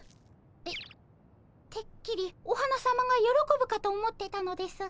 えってっきりお花さまがよろこぶかと思ってたのですが。